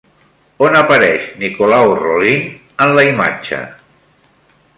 On apareix Nicolau Rolin en la imatge?